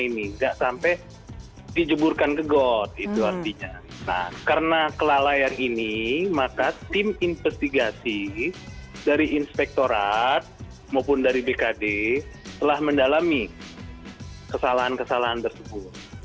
nah karena kelalaian ini maka tim investigasi dari inspektorat maupun dari bkd telah mendalami kesalahan kesalahan tersebut